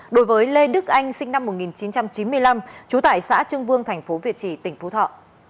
đối với lê đức anh sinh năm một nghìn chín trăm chín mươi năm trú tại xã trương vương thành phố việt trì tỉnh phú thọ